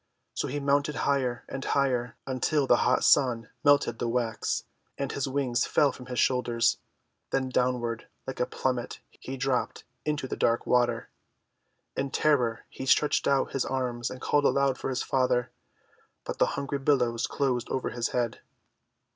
So he mounted higher and higher, until the hot Sun melted the wax, and his wings fell from his shoulders. Then downward, like a plummet, he dropped into the dark water. In terror he stretched out his arms and called aloud for his father, but the hungry billows closed over his head.